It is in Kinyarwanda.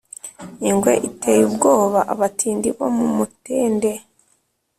Ingwe iteye ubwoba abatindi bo mu Mutende,